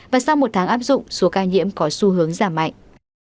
và sau một tháng áp dụng số ca nhiễm có xu hướng giảm mạnh